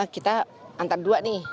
kita antar dua nih